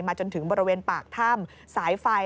จนถึงบริเวณปากถ้ำสายไฟ